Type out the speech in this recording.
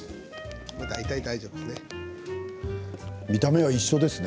大体、大丈夫ですね。